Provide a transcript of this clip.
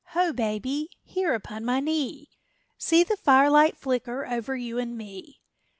Ho, baby! here upon my knee, See the firelight flicker over you and me!